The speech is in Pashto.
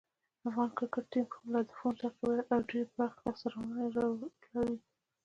افغان کرکټ ټیم خپل هدفونه تعقیبوي او ډېرې پراخې لاسته راوړنې لري.